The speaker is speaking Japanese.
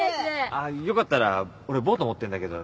ああよかったら俺ボート持ってるんだけど。